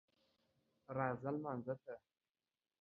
راځه لمانځه ته